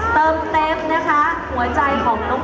เติมเต็มนะคะหัวใจของน้อง